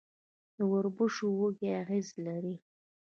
د وربشو وږی اغزي لري.